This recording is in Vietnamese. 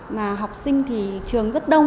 mà học sinh thì trường rất đông